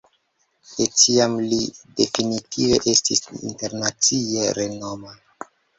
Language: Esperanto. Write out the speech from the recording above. De tiam li definitive estis internacie renoma.